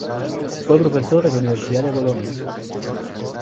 Fue profesor en la Universidad de Bolonia.